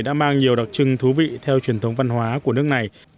đã mang nhiều đặc trưng thú vị theo truyền thống văn hóa của nước này